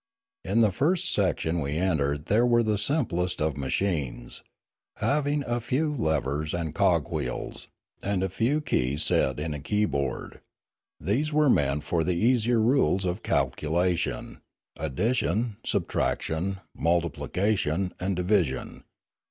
In the first section we entered there were the simplest of ma chines, having a few levers and cog wheels, and a few keys set in a keyboard; these were meant for the easier rules of calculation, — addition, subtraction, multiplica tion, and division.